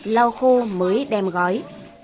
lau khô mới đem gói